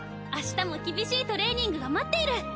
明日も厳しいトレーニングが待っている！